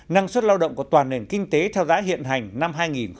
năng suất lao động của toàn nền kinh tế theo giá hiện hành năm hai nghìn một mươi chín